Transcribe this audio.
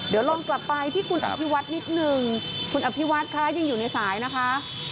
เดี๋ยวลองกลับไปที่คุณอภิวัฒน์นิดนึงคุณอภิวัฒน์ค่ะยังอยู่ในสายนะคะ